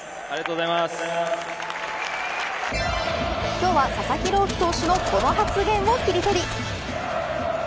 今日は佐々木朗希投手のこの発言をキリトリ。